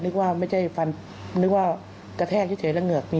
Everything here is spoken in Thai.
ว่าไม่ใช่ฟันนึกว่ากระแทกเฉยแล้วเหงือก